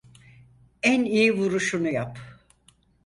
En iyi vuruşunu yap.